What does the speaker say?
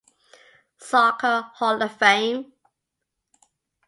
Soccer Hall of Fame.